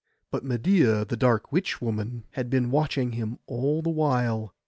But Medeia the dark witch woman had been watching him all the while.